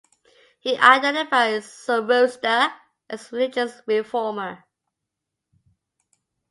He identified Zoroaster as a religious reformer.